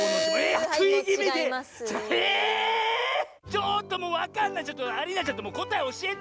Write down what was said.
ちょっともうわかんないアリーナちゃんこたえおしえて！